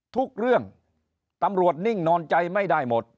ทุกเรื่องตำรวจนิ่งนอนใจไม่ได้หมด